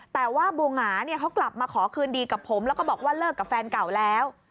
แต่ว่าบูหงาเนี่ยเขากลับมาขอคืนดีกับผมแล้วก็บอกว่าเลิกกับแฟนเก่าแล้ว